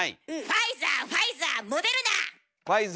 ファイザーファイザーモデルナ！